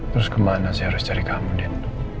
terus kemana saya harus cari kamu din